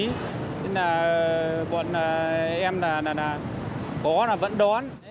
nên là còn em là có là vẫn đón